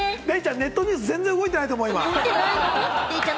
ネットニュース全然動いてないと思う。